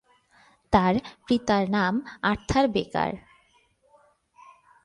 তার পিতার নাম আর্থার বেকার।